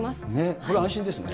これ安心ですね。